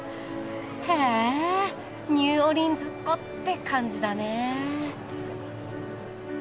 へえニューオーリンズっ子って感じだねえ。